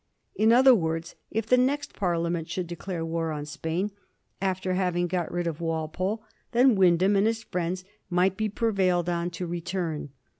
In other words, if the next Parliament should declare war on Spain after having got rid of Walpole, then Wyndham and his friends might be prevailed on to return.